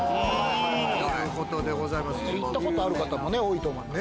行ったことある方も多いと思います。